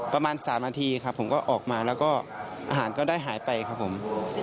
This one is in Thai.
ประมาณ๓นาทีครับผมก็ออกมาแล้วก็อาหารก็ได้หายไปครับผม